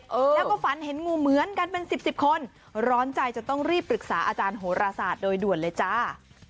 เออแล้วก็ฝันเห็นงูเหมือนกันเป็นสิบสิบคนร้อนใจจะต้องรีบปรึกษาอาจารย์โหราศาสตร์โดยด่วนเลยจ้า